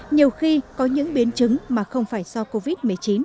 nhiều khi có những biến chứng mà không phải do covid một mươi chín